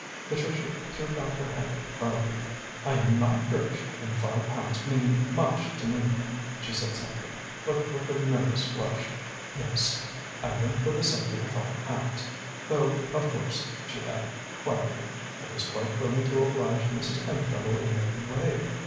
Patricia threw back her head proudly. "I am not rich, and five pounds mean much to me," she said simply, but with a nervous flush. "Yes, I went for the sake of the five pounds. Though, of course," she added quietly, "I was quite willing to oblige Mrs. Pentreddle in every way.